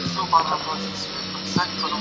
ایا خوب نه خرابېږي؟